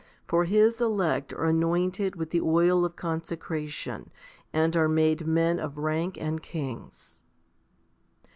For His elect are anointed with the oil of consecration, and are made men of rank and kings.